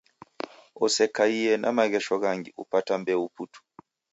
Osekaie na maghesho ghangi upata mbeu putu